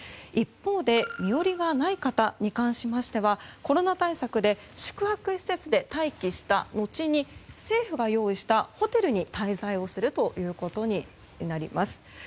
一方で、身寄りがない方に関しましてはコロナ対策で宿泊施設で待機したのちに政府が用意したホテルに滞在するということになります。